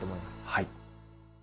はい。